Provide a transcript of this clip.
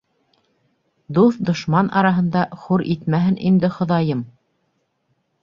Дуҫ-дошман араһында хур итмәһен инде хоҙайым...